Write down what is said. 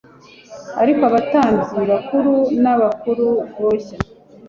ariko abatambyi bakuru n abakuru boshya